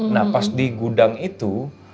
nah pas di gudang itu